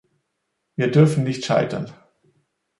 Wir dürfen nicht scheitern.